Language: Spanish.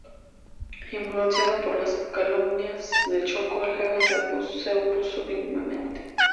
Influenciado por las calumnias de Choco, el jefe se opuso firmemente.